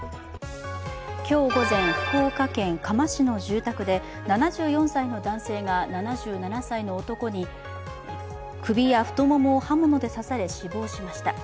今日午前、福岡県嘉麻市の住宅で７４歳の男性が７７歳の男に首や太ももを刃物で刺され死亡しました。